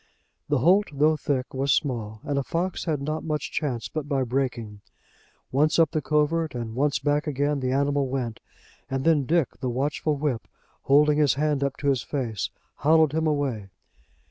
The holt though thick was small and a fox had not much chance but by breaking. Once up the covert and once back again the animal went, and then Dick, the watchful whip, holding his hand up to his face, holloaed him away.